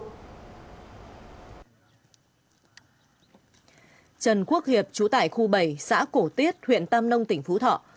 trần quốc hiệp trú tại khu bảy xã cổ tiết huyện tam nông tỉnh phú thọ